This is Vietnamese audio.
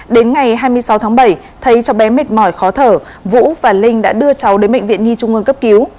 đến ngày hai mươi sáu tháng bảy thấy cháu bé mệt mỏi khó thở vũ và linh đã đưa cháu đến bệnh viện nhi trung ương cấp cứu